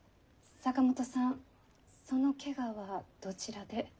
坂本さんその怪我はどちらで。